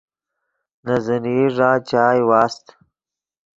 نے زینئی ݱا چائے واست